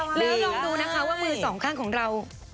หรือลองดูนะคะว่ามือสองข้างของเรา